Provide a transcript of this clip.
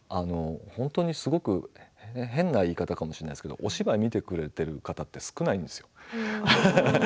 すごく変な言い方かもしれませんけれどお芝居を見てくれている方は少ないんですよ。